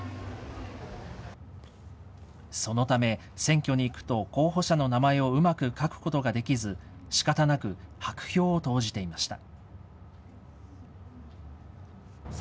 そのため、選挙に行くと候補者の名前をうまく書くことができず、しかたなく白票を投じていました。